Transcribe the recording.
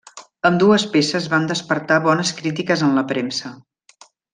Ambdues peces van despertar bones crítiques en la premsa.